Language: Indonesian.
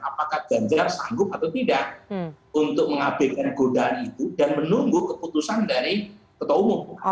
apakah ganjar sanggup atau tidak untuk mengabaikan godaan itu dan menunggu keputusan dari ketua umum